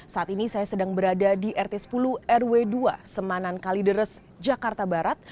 saat ini saya sedang berada di rt sepuluh rw dua semanan kalideres jakarta barat